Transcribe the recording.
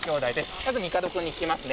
まず帝君に聞きますね。